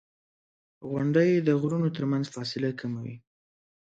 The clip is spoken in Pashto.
• غونډۍ د غرونو ترمنځ فاصله کموي.